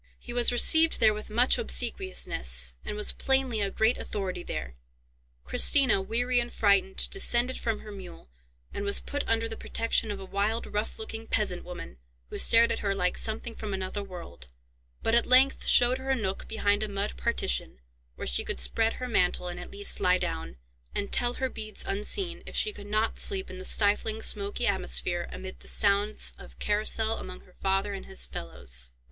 He was received there with much obsequiousness, and was plainly a great authority there. Christina, weary and frightened, descended from her mule, and was put under the protection of a wild, rough looking peasant woman, who stared at her like something from another world, but at length showed her a nook behind a mud partition, where she could spread her mantle, and at least lie down, and tell her beads unseen, if she could not sleep in the stifling, smoky atmosphere, amid the sounds of carousal among her father and his fellows.